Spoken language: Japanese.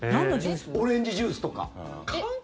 オレンジジュースとか。